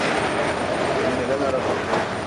Beni neden aradın?